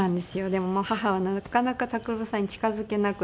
でも母はなかなか拓郎さんに近づけなくて。